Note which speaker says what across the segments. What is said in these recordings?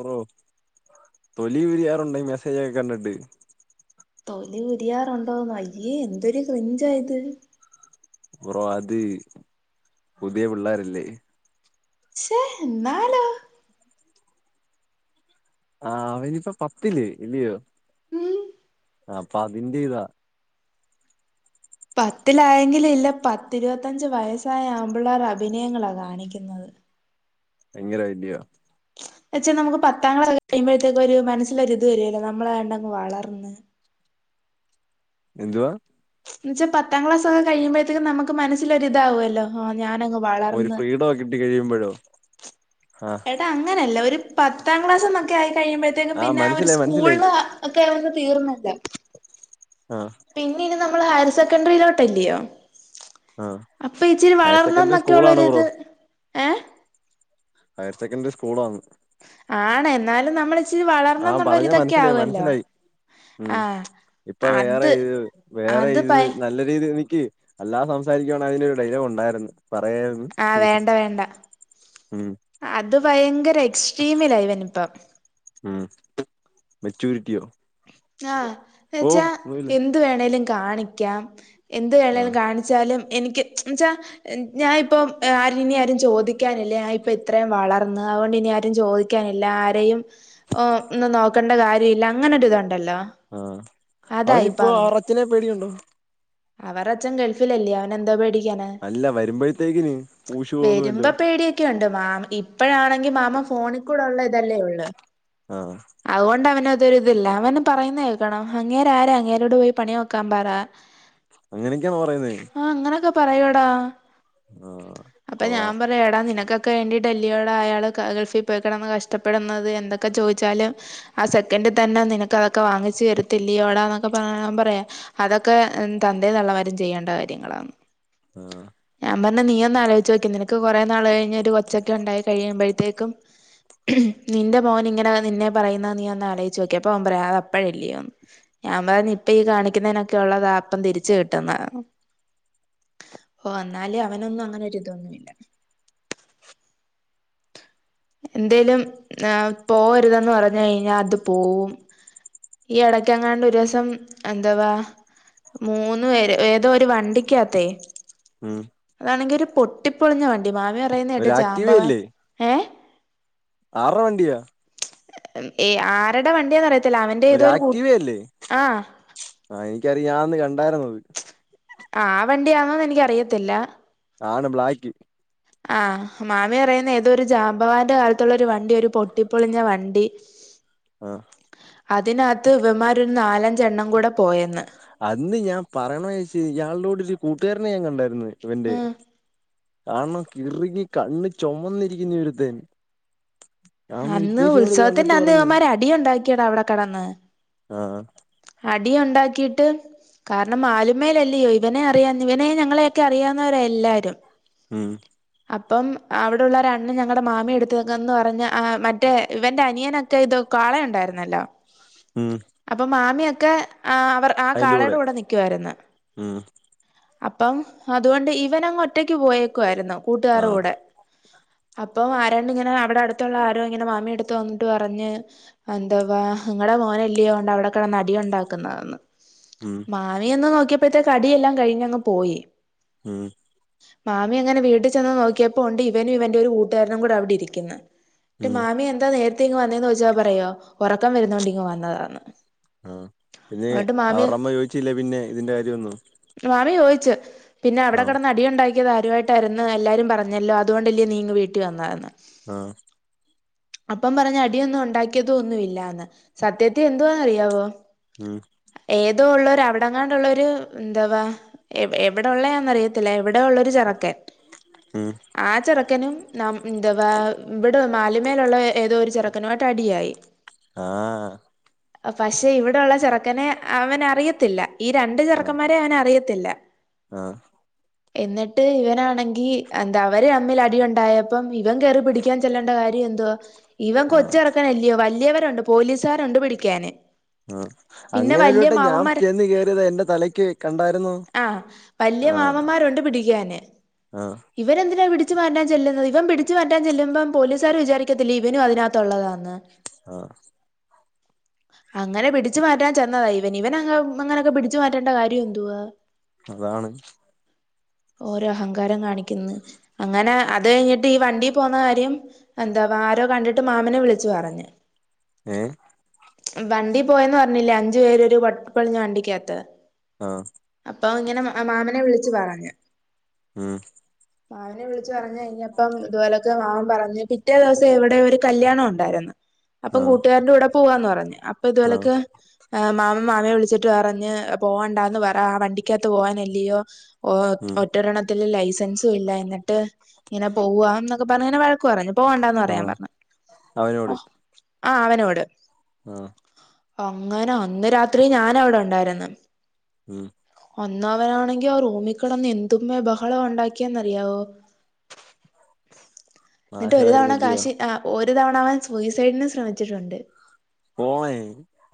Speaker 1: ഓ തൊലിയുരിയാറുണ്ടീ മെസ്സേജൊക്കെ കണ്ടിട്ട്
Speaker 2: തൊലി ഉരിയാറുണ്ടോന്നൊ അയ്യേ എന്തൊരു ക്രിഞ്ചാ ഇത്
Speaker 1: ബ്രോ അത് പുതിയ പിള്ളേരല്ലേ
Speaker 2: ശേ എന്നാലോ
Speaker 1: ആഹ് അവനിപ്പ പത്തില് ല്ല്യോ
Speaker 2: ഉം
Speaker 1: അപ്പതിന്റെഇതാ
Speaker 2: പത്തിലായെങ്കിലില്ല പത്തിരുപത്തഞ്ച് വയസ്സായ ആമ്പിള്ളേരഭിനയങ്ങളാ കാണിക്കുന്നത്
Speaker 1: ഭയങ്കര ഇല്യോ
Speaker 2: വച്ചാ നമുക്ക് പത്താക്ലാസ് കഴിയുമ്പത്തേക്ക് ഒരു മനസ്സിലൊരിത് വരെല്ലെ നമ്മളായൊണ്ടങ് വളർന്ന്
Speaker 1: എന്തുവാ
Speaker 2: ന്നെച്ചാ പത്താം ക്ലാസൊക്കെ കിയുമ്പഴത്തേക്ക് നമുക്ക് മനസൊരിതാവുല്ലോ ആഹ് ഞാനങ് വ
Speaker 1: ഒരു ഫ്രീടൊക്കെ കിട്ടി കഴിയുമ്പഴോ ആഹ്
Speaker 2: ഏടാ അങ്ങനല്ല ഒരു പത്താം ക്ലാസ് ന്നൊക്കെ ആയി കഴിയുമ്പഴത്തേക്കും
Speaker 1: ആഹ്
Speaker 2: പിന്നെ ഒരു
Speaker 1: മനസ്സിലായി മനസ്സിലായി
Speaker 2: സ്കൂളില് ഒക്കെയങ് തീർന്നല്ലോ
Speaker 1: ആഹ്
Speaker 2: പിന്നെനി നമ്മള് ഹയർ സെക്കൻഡറിയിലോട്ടല്ല്യോ
Speaker 1: ആഹ്
Speaker 2: അപ്പ ഇച്ചിരി
Speaker 1: ഹയർ സെക്കൻഡറി
Speaker 2: വളർന്നന്നൊക്കെ
Speaker 1: സ്കൂളാണ് ബ്രോ
Speaker 2: ഒള്ളരിത് ഏഹ്
Speaker 1: ഹയർ സെക്കൻഡറി സ്കൂളാന്ന്
Speaker 2: ആണ് എന്നാലും നമ്മളിച്ചിരി
Speaker 1: ആഹ് പറഞ്ഞ
Speaker 2: വളർന്നെന്നുള്ളരിതൊക്കെ
Speaker 1: മനസ്സിലായി
Speaker 2: ആവല്ലോ
Speaker 1: മനസ്സിലായി ഉം ഇപ്പൊ വേറെയിത്
Speaker 2: അത്
Speaker 1: വേറെയിത്
Speaker 2: പയ
Speaker 1: നല്ല ത് എനിക്ക് അല്ലാതെ സംസാരിക്കുവാണെ അതിലൊരു ഡലോഗുണ്ടായിര്ന്നു പറയാര്ന്നു
Speaker 2: ആ വേണ്ട വേണ്ട അത് ഭയങ്കര എക്സ്ട്രീമില ഇവനിപ്പം
Speaker 1: ഉം മെച്ചൂരിറ്റിയോ
Speaker 2: ആഹ് ന്ന്
Speaker 1: ഓ
Speaker 2: വെച്ചാ
Speaker 1: ഒന്നുമില്ല
Speaker 2: എന്ത് വേണേലും കാണിക്കാം എന്ത് വേണേലും
Speaker 1: ആഹ്
Speaker 2: കാണി ച്ചാലും എനിക്ക് എന്ന്ച്ചാ ഞാനിപ്പൊ ആരിനിയാരും ചോദിക്കാനില്ല ഞാനിപ്പ ഇത്രയും വളർന്ന് അതുകൊണ്ടിനി ആരും ചോദി ക്കാനില്ല ആരെയും ഒന്നും നോക്കണ്ട കാര്യമില്ല അങ്ങനൊരു ഇതൊണ്ടല്ലോ
Speaker 1: ആഹ് അവനിപ്പോ അവറ അച്ഛനെ പേടിയുണ്ടോ
Speaker 2: അവറച്ചൻ ഗൾഫിലല്ലേ അവനേന്തോ പേടിക്കാന
Speaker 1: അല്ല വരുമ്പഴ്ത്തേക്കിന്
Speaker 2: വരുമ്പോ പേടിയൊക്കെയുണ്ട് മാം ഇപ്പഴാണെങ്കി മാമം ഫോണിൽ കൂടെ ഉള്ള ഇതല്ലേ ഉള്ളു
Speaker 1: ആഹാ
Speaker 2: അതുകൊണ്ട് അവന് അതൊരിതില്ല അവന് പറയുന്ന കേൾക്കണം അങ്ങേര് ആരാ അങ്ങേരോട് പോയി പണി നോക്കാൻ പറ [inaudible]
Speaker 1: അങ്ങനെയൊക്കെയാണോ പറയുന്നെ
Speaker 2: ആഹ് അങ്ങനെയൊക്കെ പറയുവടാ
Speaker 1: ആഹ്
Speaker 2: അപ്പൊ ഞാൻ
Speaker 1: കൊള്ളാം
Speaker 2: പറ എടാ നിനക്കൊക്കെ വേണ്ടിട്ടല്ലൊടാ അയാള് ക ഗൾഫിൽ പോയികിടന്ന് കഷ്ടപ്പെടുന്നത് എന്തൊക്കെ ചോയ്ച്ചാല് ആ സെക്കൻ്റിൽ തന്നെ നിനക്ക് അതൊക്കെ വാങ്ങിച്ചു തരിത്തില്ല്യോട എന്നൊക്കെ പറ അവൻ പറയാ അതൊക്കെ എന് തന്തേം തള്ളമാരും ചെയ്യേണ്ട കാര്യങ്ങളാന്ന്
Speaker 1: ആഹ്
Speaker 2: ഞാൻ പറഞ്ഞു നീയൊന്ന് ആലോചിച്ചു നോക്കൂ നിനക്ക് കുറെ നാള് കഴിഞ്ഞ് ഒരു കൊച്ചൊക്കെ ഉണ്ടായി കഴിയുമ്പോഴത്തേക്കും നിന്റെ മോന് ഇങ്ങനെ നിന്നെ പറയുന്ന നീ ഒന്ന് ആലോയിച്ചു നോക്കെ അപ്പ അവൻ പറയാ അത് അപ്പഴല്ലയോന്ന് ഞാൻ പറഞ്ഞു ഇപ്പ ഈ കാണിക്കുന്നതിനൊക്കെ ഉള്ളതാ അപ്പം തിരിച്ച് കിട്ടുന്ന ഓഹ് വന്നാല് അവനൊന്നും അങ്ങനെരിതൊന്നുല്ല എന്തേലും ആ പോവരുതെന്ന് പറഞ്ഞ് കഴിഞ്ഞാ അത് പോവും ഈ ഇടയ്ക്കെങ്ങാണ്ട് ഒരു ദിവസം എന്താവാ മൂന്ന് പേര് ഏതോ ഒരു വണ്ടിക്കാത്തെ
Speaker 1: ഉം
Speaker 2: അതാണെങ്കി ഒരു പൊട്ടിപ്പൊളിഞ്ഞ വണ്ടി മാമി പറയുന്ന
Speaker 1: ഒരു
Speaker 2: കേട്ട് ജാമ്പവാൻ ഏഹ്
Speaker 1: ആറെ വണ്ടിയാ
Speaker 2: ഉം ഏ ആരുടെ വണ്ടിയാന്ന് അറിയത്തില്ല അവന്റെ ഏതോരു കൂട്ട് ആഹ്
Speaker 1: ആ എനിക്കറിയാം ഞാൻ അന്ന് കണ്ടാരുന്നു
Speaker 2: ആ അവൻ്റെയാന്നോന്ന് എനിക്ക് അറിയത്തില്ല
Speaker 1: ആണ് ബ്ലാക്ക്
Speaker 2: ആഹ് മാമി പറയുന്ന ഏതോ ഒരു ജാബവാന്റെ കാലത്തുള്ള ഒരു വണ്ടി ഒരു പൊട്ടിപ്പൊളിഞ്ഞ വണ്ടി [inaudible]
Speaker 1: ആഹ്
Speaker 2: അതിനാത്ത് ഇവമ്മാരു നാലഞ്ചെണ്ണം കൂടെ പോയെന്ന്
Speaker 1: അന്ന് ഞാൻ പറയണ വെച്ച് ഇയാളുടെരു കൂട്ടുകാരനെ ഞാൻ കണ്ടായിരുന്നു ഇവന്റെ
Speaker 2: ഉം
Speaker 1: കാണണം കിറ്ങ്ങി കണ്ണ് ചുമന്നിരിക്കുന്ന ഒരുത്തൻ ഞാനന്ന്
Speaker 2: അന്ന്
Speaker 1: വിഘ്നേഷിനോട് ഇത്
Speaker 2: ഉത്സവത്തിന്റെ
Speaker 1: കണ്ടിട്ട്
Speaker 2: അന്ന്
Speaker 1: പറഞ്ഞ്
Speaker 2: ഇവമാര് അടിയുണ്ടാക്കിയടാ അവിടെ കിടന്ന്
Speaker 1: ആഹ്
Speaker 2: അടിയുണ്ടാക്കിട്ട് കാരണം മാലി മേലല്ലയോ ഇവനെ അറിയാ ഇവനെ ഞങ്ങളെയൊക്കെ അറിയാവുന്നവര എല്ലാരും
Speaker 1: ഉം
Speaker 2: അപ്പം അവിടെയുള്ള ഒരണ്ണൻ ഞങ്ങളുടെ മാമിയ എടുത്തക്കെ വന്ന് പറഞ്ഞ മറ്റേ ഇവന്റെ അനിയനാ ചെയ്തോ കാളയുണ്ടായിരുന്നല്ലോ
Speaker 1: ഉം
Speaker 2: അപ്പം മാമിയൊക്കെ ആഹ് അവർ ആഹാ കാളയുടെ കൂടെ നിക്കുവായിരുന്നു
Speaker 1: ഉം
Speaker 2: അപ്പം അതുകൊണ്ട് ഇവൻ അങ്ങ് ഒറ്റക്ക് പോയേക്കുവായിരുന്ന് കൂട്ടുകാരുടെ
Speaker 1: ആഹ്
Speaker 2: കൂടെ അപ്പം ആരാണ്ട് ഇങ്ങനെ അവിടെ അടുത്തുള്ള ആരോ ഇങ്ങനെ മാമിയടുത്ത് വന്നിട്ട് പറഞ്ഞ് എന്തുവാ നിങ്ങളുടെ മോന് അല്ലയോ ഓണ്ട് അവിടെ കിടന്ന് അടി ഉണ്ടാക്കുന്നതെന്ന്
Speaker 1: ഉം
Speaker 2: മാമി ചെന്ന് നോക്കിയപ്പോഴത്തെക്ക് അടിയെല്ലാം കഴിഞ്ഞങ്ങ് പോയി
Speaker 1: ഉം
Speaker 2: മാമി അങ്ങനെ വീട്ട് ചെന്ന് നോക്കിയപ്പോ ഉണ്ട് ഇവനും ഇവന്റെറെ ഒരു കൂട്ടുകാരനും കൂടെവിടെ ഇരിക്കുന്നു
Speaker 1: ഉം
Speaker 2: മാമി എന്താ നേരത്തെ ഇങ്ങ് വന്നതന്ന് ചോദിച്ചാൽ പറയോ ഉറക്കം വരുന്നോണ്ട് ഇങ്ങ് വന്നതാണ്
Speaker 1: ആഹ് പിന്നെ അവരേ അമ്മ ചോദിച്ചില്ലേ പിന്നെ ഇതിന്റെ കാര്യമൊന്നും
Speaker 2: മാമി ചോദിച്ചു പിന്നെ അവിടെ
Speaker 1: ആഹ്
Speaker 2: കിടന്ന് അടി ഉണ്ടാക്കിയത് ആരുമായിട്ട് തരുന്ന എല്ലാരും പറഞ്ഞല്ലോ അതുകൊണ്ടല്ലേ നീങ് വീട്ടിൽ വന്നായിന്ന്
Speaker 1: ആഹ്
Speaker 2: അപ്പം പറഞ്ഞു അടിയൊന്നും ഉണ്ടാക്കിയതോ ഒന്നുമ ഇല്ലന്ന് സത്യത്തിൽ എന്തുവാ അറിയാവോ
Speaker 1: ഉം
Speaker 2: ഏതോ ഉള്ളേര് അവിടെങ്ങാണ്ടുള്ള ഒരു എന്താവാ എവിടെള്ളാന്നറി ല്ല എവിടെയുള്ളെരു ചെറുക്കൻ
Speaker 1: ഉം
Speaker 2: ആഹ് ചെറുക്കനും ന എന്താവാ ഇവെ മാലിമേലുള്ള ഏതോ ഒരു ചെറുക്കനായിട്ട് അടിയായി
Speaker 1: ആഹ്
Speaker 2: പക്ഷെ ഇവിടെള്ള ചെറുക്കനെ അവന് അറിയത്തില്ല ഈ രണ്ട്
Speaker 1: ആഹ്
Speaker 2: ചെറുക്കന്മാരെ അവന് അറിയത്തി ത്തില്ല
Speaker 1: ആഹ്
Speaker 2: എന്നിട്ട് ഇവനാണ് ങ്കി എന്താ അവരെ അമ്മിൽ അടിുണ്ടായപ്പം ഇവൻ കേയറി പിടിക്കാൻ ചെല്ലേണ്ട കാര്യം എന്തുവാ ഇവൻ
Speaker 1: ആഹ്
Speaker 2: കൊച്ചിറക്കൻല്ലയോ വല്യവരുണ്ട് പോലീസുകാരുണ്ട് പിടിക്കാന്
Speaker 1: ഉം
Speaker 2: പിന്നെ വലിയ
Speaker 1: അങ്ങനെരുവട്ടെ ഞാൻ
Speaker 2: മാമന്മാര്
Speaker 1: ചെന്ന് കയറിയത് എൻന്റെ തലയ്ക്ക് കണ്ടായിരു ന്നും
Speaker 2: ആഹ് വലിയ മാമന്മാരുണ്ട് പിടിക്കാന്
Speaker 1: ആഹ്
Speaker 2: ഇവൻെന്തിനാ പിടിച്ച് മാറ്റാൻ ചെല്ലുന്നത് ഇവൻ പിടിച്ച് മാറ്റാൻ ചെല്ലുമ്പം പോലീസുകാർ വിചാരിക്കത്തില്ല ഇവനും അതിനകത്തുള്ളതാന്ന്
Speaker 1: ആഹ്
Speaker 2: [unintelligible] അങ്ങനെ പിടിച്ചു മാറ്റാൻ ചെന്നതാണ് ഇവൻ ഇവൻ അങ്ങനെയൊക്കെ പിടിച്ചു മാറ്റേണ്ട കാര്യം എന്തുവാ
Speaker 1: അതാണ്
Speaker 2: ഓരേ [unintelligible] കാണിക്കുന്നു അങ്ങനെ അത് കഴിഞ്ഞിട്ട് ഈ വണ്ടി പോകുന്ന കാര്യം എന്താവാ ആരോ കണ്ടിട്ട് എന്നിട്ട് മാമനെ വിളിച്ചു പറഞ്
Speaker 1: ഏഹ്
Speaker 2: വണ്ടി പോയന്ന് പറഞ്ഞില്ല അഞ്ചു പേര് ഒരു വപ്പളിഞ്ഞ വണ്ടിക്കകത്ത്
Speaker 1: ആഹ്
Speaker 2: അപ്പൊ ഇങ്ങനെ മാമനെ വിളിച്ചു പറഞ്ഞ്
Speaker 1: ഉം
Speaker 2: മാമനെ വിളിച്ചു പറഞ്ഞ് കഴിഞ്ഞപ്പം ഇതുപോലൊ ഒക്കെ മാമൻ പറഞ്ഞു പിറ്റേ ദിവസം എവിടെ ഒരു കല്യാണം ഒണ്ടായിരുന്നു അപ്പം
Speaker 1: ആഹ്
Speaker 2: കൂട്ടുകാരന്റെ കൂടെ പോവാന്ന് പറഞ്ഞ് അപ്പൊ ഇതു
Speaker 1: ആഹ്
Speaker 2: പോലൊക്കെ ഏം മാമൻ മാമിയെ വിളിച്ചിട്ട് പറഞ്ഞ് പോകണ്ടാന്ന് പറ ആ വണ്ടിക്കകത്ത് പോകാനല്ലിയോ ഓ
Speaker 1: ഉം
Speaker 2: ഒറ്റ ഒരണ്ണത്തിനും ലൈസൻസുവില്ല എന്നിട്ട് ഇങ്ങനെ പോവാ എന്നൊക്കെ പറഞ്ഞിങ്ങനെ വഴക്കു പറഞ്ഞു പോവണ്ടാന്ന് പറയാൻ
Speaker 1: ആഹ്
Speaker 2: പറഞ്ഞു
Speaker 1: അവനോട്
Speaker 2: ഓഹ് ആഹ് അവനോട്
Speaker 1: ആഹ്
Speaker 2: അങ്ങനെ അന്ന് രാത്രി ഞാന് അവിടെ ഒണ്ടായിരുന്നു
Speaker 1: ഉം
Speaker 2: ഒന്ന് അവനാണെങ്കി ആ റൂമി കെടന്ന് എന്തുവേ ബഹ ളവ ഒണ്ടാക്കിയെന്നറിയാവോ എന്നിട്ട് ഒരു തവണ
Speaker 1: നാശമായിരുന്നില്ലയോ
Speaker 2: കാശി ഒരു തവണ അവൻ സൂയിസൈഡിന് ശ്രമിച്ചിട്ടുണ്ട്
Speaker 1: പോയേ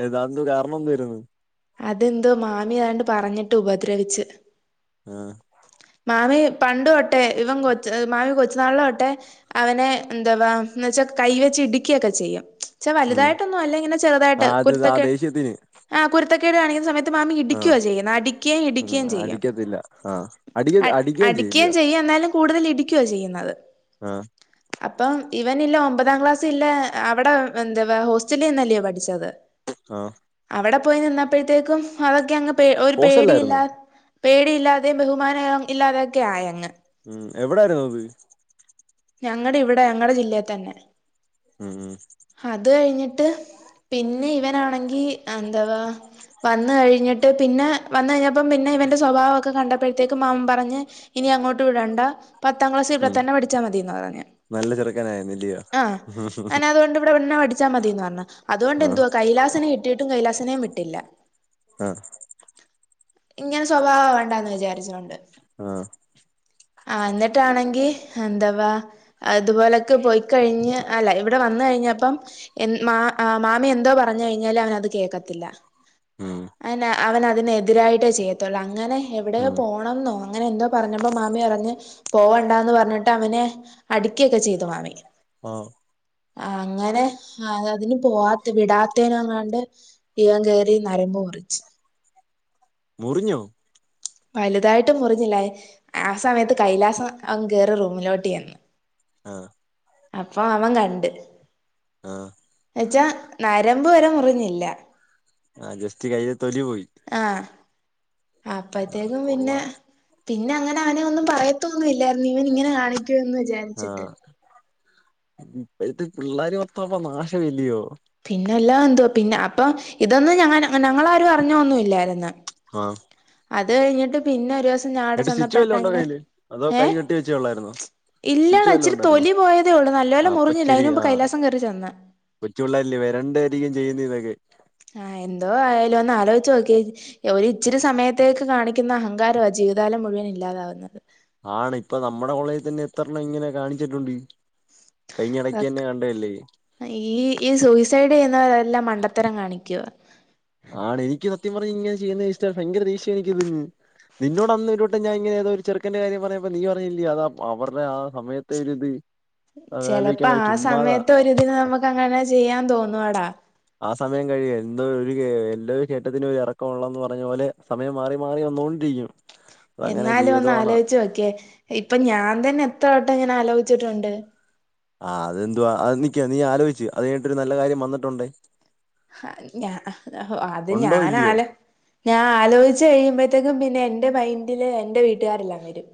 Speaker 1: അത് എന്ത് കാരണം എന്തുവായിരുന്ന്?
Speaker 2: അതെന്തോ മാമി ഏതാണ്ട് പറഞ്ഞിട്ട് ഉപദ്രവിച്ച്
Speaker 1: ആഹ്
Speaker 2: മാമൻ പണ്ട് തോട്ടെ ഇവൻ കൊച്ച മാമൻ കൊച്ചു നാളിലെ തൊട്ടെ അവനെ എന്തുവാ എന്ന് വെച്ചാ കൈവെച്ച് ഇടുക്കിവൊക്കെ ചെയ്യും എന്ന് വെച്ച വലുതായിട്ടൊന്നും അല്ല ഇങ്ങനെ ചെറുതായിട്ട് കുരുത്ത കേ
Speaker 1: ചെയ്തിന്
Speaker 2: കുരുത്തക്കേട് കാണിക്കുന്ന സയത്ത് മാമി ഇടിക്കുവ ചെയ്യ്ന്നെ അടിക്കേം
Speaker 1: ഉം
Speaker 2: ഇടിക്കേം ചെയ്യും
Speaker 1: അടിക്കത്തില്ല ആഹ് അടിക്ക അടിക്കുകയും
Speaker 2: അടിക്കേം
Speaker 1: ചെയ്യില്ലയോ
Speaker 2: ചെയ്യ എന്നാലും കൂടുതൽ ഇടിക്കുവ ചെയ്യുന്നത്.
Speaker 1: ആഹ്
Speaker 2: അപ്പം ഇവനില്ലെ ഒമ്പതാം ക്ലാസ്സില്ലെ അവിടെ എന്തുവാ ഹോസ്റ്റലിൽ നിന്നല്ലയോ പഠിച്ചത്?
Speaker 1: ആഹ്
Speaker 2: അവിടെ പോയി നിന്നപ്പഴത്തേക്കും അതൊക്കെ അങ്ങ് പേ ഒരു
Speaker 1: ഹോസ്റ്റലിലായിരുന്നോ
Speaker 2: പേടിയില്ലാ പേടിയില്ലാതെയും ബഹുമാനം ഇല്ലാതയൊക്കെ ആയങ്ങ്
Speaker 1: ഉം എവിടായിരുന്ന് അത്?
Speaker 2: ഞങ്ങടെ ഇവിടെ ഞങ്ങടെ ജില്ലയി തന്നെ
Speaker 1: ഉം ഉം
Speaker 2: അത് കഴിഞ്ഞിട്ട് പിന്നെ ഇവനാണെങ്കി എന്തുവാ വന്ന് കഴിഞ്ഞിട്ട് പിന്നെ വന്ന് കഴിഞ്ഞ പ്പം പിന്നെ ഇവന്റെ സ്വഭാവം ഒക്കെ കണ്ടപ്പെഴത്തേക്കും മാമൻ പറഞ്ഞ് ഇനി അങ്ങോട്ട് വിടണ്ട പത്താം ക്ലാസ് ഇവിടെ
Speaker 1: ഉം
Speaker 2: തന്നെ പഠിച്ചാ മതീന്ന് പറഞ്ഞ്
Speaker 1: നല്ല ചെറുക്കനായിരുന്നു ഇല്ലിയോ?
Speaker 2: ആഹ് അങ്ങനെ അതുകൊണ്ട് ഇവിടെ നിന്ന് പഠിച്ചാ മതിയെന്ന് പറഞ്ഞ് അതുകൊണ്ട്
Speaker 1: ആഹ്
Speaker 2: എന്തുവാ കൈലാസന് കിട്ട ട്ടിയിട്ടും കൈലാസനേം വിട്ടില്ല
Speaker 1: ആഹ്
Speaker 2: ഇങ്ങനെ സ്വഭാവം ആവണ്ടാന്ന് വിചാരിച്ചോണ്ട്
Speaker 1: ആഹ്
Speaker 2: ആഹ് ഇന്നിട്ടാണെങ്കി എന്തുവാ ഇതുപോലൊക്കെ പേയ് കഴിഞ്ഞ്. ഞ്ഞ് അല്ല ഇവിടെ വന്ന് കഴിഞ്ഞപ്പം. എൻ മാ ആ മാമി എന്തോ പറഞ്ഞ കഴിഞ്ഞാല് അവന് അത് കേക്കത്തില്ല.
Speaker 1: ഉം
Speaker 2: അന്നെ അവന് അതിന് എതിരായിട്ടേ ചെയ്യത്തുള്ളൂ അങ്ങനെ എവിടെയോ
Speaker 1: ഉം
Speaker 2: പോ ണംന്നോ അങ്ങനെ എന്തോ പറഞ്ഞപ്പ മാമി പറഞ്ഞ് പോവണ്ടാന്ന് പറഞ്ഞിട്ട് അവനെ. അടിക്ക്യൊക്കെ ചെയ്തു മാമി.
Speaker 1: ഓഹ്.
Speaker 2: ആ അങ്ങനെ അ അതിന് പോവാത്ത വിടാത്തേനങ്ങാണ്ട്. ഇവൻ കയറി നരമ്പ് മുറിച്ച്.
Speaker 1: മുറിഞ്ഞോ.
Speaker 2: വലുതായിട്ട് മുറിഞ്ഞില്ല ആ സമയത്ത് കൈലാസം അങ്ങ് കയറി റൂമിലോട്ട് ചെന്ന്.
Speaker 1: ആഹ്.
Speaker 2: അപ്പൊ അവൻ കണ്ട്.
Speaker 1: ആഹ്.
Speaker 2: എച്ചാ നരമ്പ് വരെ മുറിഞ്ഞില്ല.
Speaker 1: ആ ജസ്റ്റ് കയ്യില് തൊലി പോയി.
Speaker 2: ആഹ് അപ്പത്തേക്കും പിന്നെ.
Speaker 1: കൊള്ളാം
Speaker 2: പിന്നങ്ങനെ അവനെ ഒന്നും പറയത്തൊന്നു ഇല്ലായിരുന്നു ഇവൻ ഇങ്ങനെ കാണിക്കൂ എന്ന് വിചാ
Speaker 1: ആഹ് ഇപ്പഴ്ത്തെ പിള്ളേര് മൊത്തം അപ്പ നാശവല്ലിയോ.
Speaker 2: പിന്നെല്ലാ എന്തുവ പിന്നെ അപ്പം ഇതൊന്നും ഞങ്ങ ഞങ്ങാരും അറിഞ്ഞൊന്നും ഇല്ലായിരുന്ന്.
Speaker 1: ആഹ്.
Speaker 2: അത് കഴിഞ്ഞിട്ട് പിന്നെ ഒരു ദിവസം ഞാവടെ
Speaker 1: എന്നിട്ട് സ്റ്റിച്ച് വല്ലോം ഉണ്ടോ
Speaker 2: ചെന്നപ്പഴത്തെക്ക്ന്
Speaker 1: കയ്യില് അതോ
Speaker 2: ഏ.
Speaker 1: കൈ കെട്ടി വെച്ചേ ഒള്ളായിരുന്നോ സ്റ്റിച്ച്
Speaker 2: ഇല്ലടാ
Speaker 1: വല്ലോം
Speaker 2: ഇച്ചിരി
Speaker 1: ഉണ്ടായിരുന്നോ
Speaker 2: തൊലി പോയതേ ഒള്ളൂ നല്ല പോലെ
Speaker 1: ആഹ് അപ്പൊ
Speaker 2: മുറിഞ്ഞില്ല
Speaker 1: ശരി
Speaker 2: അയിന് മുമ്പ്
Speaker 1: ആഹ്
Speaker 2: കൈലാസം കെറി ചെന്ന്.
Speaker 1: കൊച്ചു പിള്ളരില്ലേ വെരണ്ടായിരിക്കും ചെയ്യുന്നെ ഇതൊക്കെ.
Speaker 2: ആഹ് എന്തോ ആയാലോ ഒന്ന് ആലോയിച്ചു നോക്കിയെ. ഒരിച്ചിരി സമയത്തേക്ക് കാണിക്കുന്ന അഹങ്കാരവാ ജീവിതകാലം മുഴുവൻ ഇല്ലാതാവുന്നത്.
Speaker 1: ആണ് ഇപ്പ നമ്മുടെ കോളേജിൽ തന്നെ എത്രണ്ണം ഇങ്ങനെ കാണിച്ചിട്ടുണ്ട്. കഴിഞ്ഞ ഇടക്ക്യെന്നെ കണ്ടതല്ലേ.
Speaker 2: ഈ ഈ സൂയിസൈഡ് ചെയ്യുന്നവരെല്ലാം മണ്ടത്തരം കാണിക്ക്യുവ.
Speaker 1: ആണ് എനിക്ക് സത്യം പറഞ്ഞ ഇങ്ങന ചെയ്യുന്നത് ഇഷ്ടല്ല ഭയങ്കരദേഷ്യ എനിക്കിതങ്ങ്. നിന്നോട് അന്ന് ഒരുവട്ടം ഞാൻ ഇങ്ങനെ ഏതോ ഒരു ചെറുക്കന്റെ കാര്യം പറയഞ്ഞപ്പഴത്തേക്കും നീ പറഞ്ഞില്ലേ അതാ അവര്ടെ ആ സമയത്തെ ഒരിത്.
Speaker 2: ചെലപ്പ ആ സമയത്ത് ഒരിതിന് നമുക്ക് അങ്ങനെ ചെയ്യാൻ തോന്നും എടാ.
Speaker 1: ആ സമയം കഴിയെ എന്തോ. ഒരു കേ എല്ലാ ഒരു കേറ്റത്തിനും ഒരു എറക്കം ഉള്ളന്ന് പറഞ്ഞ പോലെ സമയം മാറി മാറി വന്നോണ്ടിരിക്കും.
Speaker 2: എന്നാലും ഒന്ന് ആലോചിച്ചു നോക്കിയെ ഇപ്പൊ ഞാൻ തന്നെ എത്ര വട്ടം ഇങ്ങനെ ആലോചിച്ചിട്ടുണ്ട്.
Speaker 1: ആഹ് അത് എതുവാ അത് നിക്ക് നീ ആലോചിച്ചു അത് കഴിഞ്ഞട്ട് ഒരു നല്ല കാര്യം വന്നിട്ടുണ്ടേ.
Speaker 2: ഹ ഞ അത്
Speaker 1: ഉണ്ടോ ഇല്ലയോ
Speaker 2: ഞാനാല ഞാൻ ആലോചിച്ച് കഴിയുമ്പഴത്തേക്കും പിന്നെ എന്റെ മൈൻഡില് എന്റെ വീട്ടുകാരെല്ലാം വരും.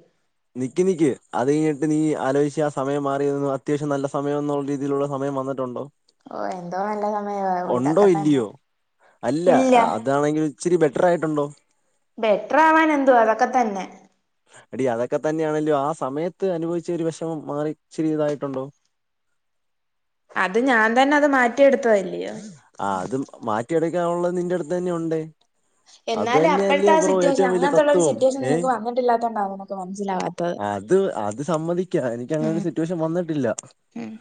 Speaker 1: നിക്ക് നിക്ക് അത് കഴിഞ്ഞിട്ട് നീ ആലോചിച്ച് ആ സമയം മാറിയ അത്യാവശ്യം നല്ല സമയം എന്നുള്ള രീതിയിലുള്ള സമയം വന്നി ട്ടുണ്ടോ.
Speaker 2: ഓ എന്തോ നല്ല സമയവാ ഓ
Speaker 1: ഉണ്ടോ
Speaker 2: ഇതൊക്കെ തന്നെ
Speaker 1: ഇല്ലയോ അല്ല
Speaker 2: ഇല്ല
Speaker 1: അ അതാണെങ്കിൽ. ഇച്ചിരി ബെറ്ററായിട്ടുണ്ടോ.
Speaker 2: ബെട്ട്രർ ആവാൻ എന്തുവ അതൊക്കെ തന്നെ.
Speaker 1: എടി അതൊക്കെ തന്നെയാണല്ലോ ആ സമയത്ത് അനുഭവിച്ച ഒരു വിഷമം മാറി ഇച്ചിരി ഇതായിട്ടുണ്ടോ.
Speaker 2: അത് ഞാൻ തന്നെ അത് മാറ്റിയെടുത്തതല്ലിയോ.
Speaker 1: ആഹ് അതും മാറ്റിയെടുക്കാനുള്ളത് നിന്റെ അടുത്ത് തന്നെ ഉണ്ട്. അത്
Speaker 2: എന്നാലും അപ്പോഴത്തെ
Speaker 1: തന്നെയല്ലേ
Speaker 2: ആ
Speaker 1: ബ്രോ
Speaker 2: സിറ്റുവേഷൻ
Speaker 1: ഏറ്റവും വലിയ
Speaker 2: അങ്ങനത്തുള്ള ഒരു
Speaker 1: തത്വം
Speaker 2: സിറ്റുവേഷൻ
Speaker 1: ഏ
Speaker 2: നിനക്ക് വന്നിട്ടില്ലാത്തകൊണ്ടാ നിനക്ക് മനസ്സിലവാത്തെ
Speaker 1: അത് അത് സമ്മതിക്ക എനിക്ക് അങ്ങനെരു സിറ്റുവേഷൻ വന്നിട്ടില്ല
Speaker 2: മം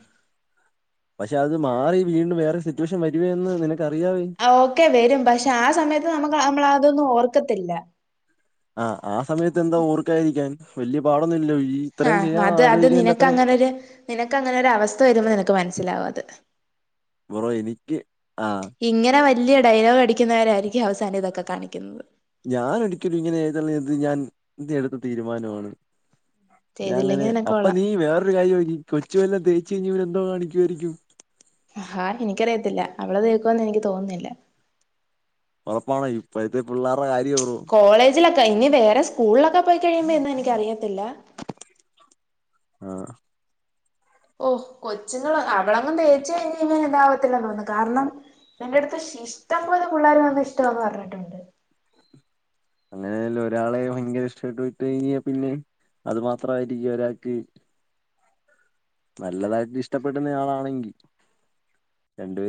Speaker 1: പക്ഷെ അത് മാറി വീണ്ടും വേറെ സിറ്റുവേഷൻ വരവന്ന് നിനക്കറിയാവേ
Speaker 2: ഓക്കെ വരും പക്ഷെ ആ സമയത്ത് നമുക്ക് നമ്മള അതൊന്നും ഓർക്കത്തില്ല
Speaker 1: അ ആ സമയത്ത് എന്താ ഓർക്കായിരിക്കാൻ വല്യ പാടൊന്നുമില്ലല്ലോ ഈ ഇത്രയും
Speaker 2: ആഹ്
Speaker 1: ചെയ്യാൻ
Speaker 2: അത് അത്
Speaker 1: ആലോചിക്കുന്നതിന്റെ
Speaker 2: നിനക്ക്
Speaker 1: അത്രയും
Speaker 2: അങ്ങനെ ഒരു നിനക്ക് അങ്ങനെ ഒരു അവസ്ഥ വരുമ്പോ നിനക്ക് മനസ്സിലാവും അത്
Speaker 1: ബ്രോ എനിക്ക് ആഹ്
Speaker 2: ഇങ്ങനെ വലിയ ഡയലോഗ് അടിക്കുന്നവരായിയിരിക്കും അവസാനം ഇതൊക്കെ കാണിക്കുന്നത്
Speaker 1: ഞാൻ ഒരിക്കലും ഇങ്ങനെ ഏതള്ളത് ഞാൻ എടുത്ത തീരുമാനമാണ് ഞാൻ അങ്ങനെ
Speaker 2: ചെയ്തില്ലെങ്കിൽ നിനക്ക്
Speaker 1: അപ്പ
Speaker 2: കൊള്ളാം
Speaker 1: നീ വേറൊരു കാര്യോ നീ കൊച്ചുവെല്ലാം തേച്ച് കഴിഞ്ഞാവൻ എന്തോ കാണിക്കുവായിരിക്കും
Speaker 2: ആഹ് എനിക്കറിയത്തില്ല അവള് തേക്കുവന്ന് എനിക്ക് തോന്നുന്നില്ല
Speaker 1: ഉറപ്പാണ ഇപ്പഴത്തെ പിള്ളേർട കാര്യ
Speaker 2: കോളേജിലൊക്കെ ഇനി വേറെ സ്കൂളിലൊക്കെ പോയി കഴിയുമ്പോ എന്താ എനിക്കറിയത്തില്ല
Speaker 1: ആഹ്
Speaker 2: ഓഹ് കൊച്ചുങ്ങള് അവളങ്ങും തേച്ചു കഴിഞ്ഞുകഴിഞ്ഞ ഇങ്ങനിതാവത്തില്ല തോന്നുന്നു കാരണം ഇവന്റെടുത്ത് ഇഷ്ടം പോലെ പിള്ളേർ വന്ന ഇഷ്ടംന്ന് പറഞ്ഞിട്ടുണ്ട്
Speaker 1: അങ്ങനെല്ല ഒരാളെ ഭയങ്കര ഇഷ്ടമായിട്ട് പോയിട്ട് കഴിഞ്ഞാൽ പിന്നെ അത് മാത്രമായിരിക്കും ഒരാൾക്ക് നല്ലതായിട്ട് ഇഷ്ടപ്പെടുന്ന ആളാണെങ്കിൽ രണ്ട്പേ